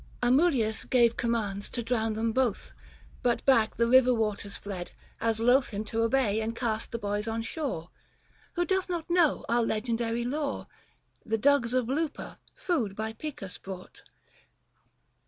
Book III. THE FASTI. VJ Amulius gave commands to drown them both, 55 But back the river waters fled, as loth Him to obey and cast the boys on shore. Who doth not know our legendary lore ? The dugs of Lupa, food by Picus brought.